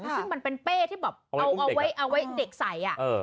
ซึ่งมันเป็นเป้ที่แบบเอาไว้เด็กใส่